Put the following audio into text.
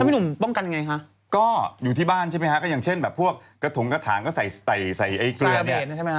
ถ้าพี่หนุ่มป้องกันยังไงคะก็อยู่ที่บ้านใช่ไหมคะเข้ายังเช่นแบบพวกกระถงกระถางก็ใส่ใส่ไอ้เกลือนี้